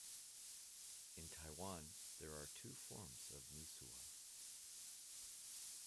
In Taiwan, there are two forms of misua.